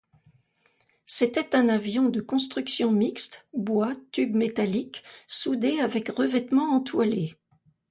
C’était un avion de construction mixte, bois tubes métalliques soudés avec revêtement entoilé.